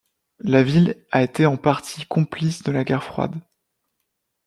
La ville a été en partie complice de la guerre froide.